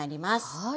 はい。